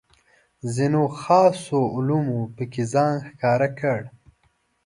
ځینو خاصو علومو پکې ځان ښکاره کړ.